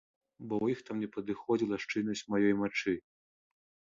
Бо ў іх там не падыходзіла шчыльнасць маёй мачы.